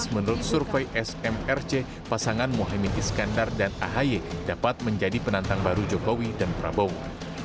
menurut survei smrc pasangan mohaimin iskandar dan ahy dapat menjadi penantang baru jokowi dan prabowo